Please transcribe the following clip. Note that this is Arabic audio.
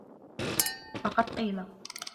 فَقَدْ قِيلَ